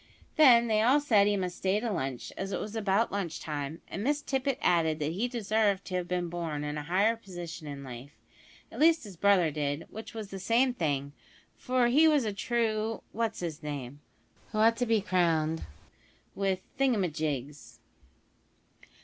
Then they all said he must stay to lunch, as it was about lunchtime, and Miss Tippet added that he deserved to have been born in a higher position in life at least his brother did, which was the same thing, for he was a true what's 'is name, who ought to be crowned with thingumyjigs.